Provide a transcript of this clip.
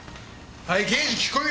はい刑事聞き込み